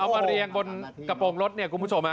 มาเรียงบนกระโปรงรถเนี่ยคุณผู้ชม